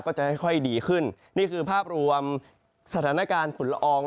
ก็จะค่อยดีขึ้นนี่คือภาพรวมสถานการณ์ฝุ่นละออง